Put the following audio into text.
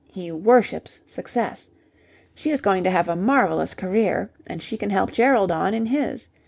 He worships success. She is going to have a marvellous career, and she can help Gerald on in his.